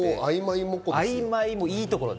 あいまいもいいところ。